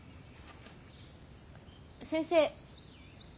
先生？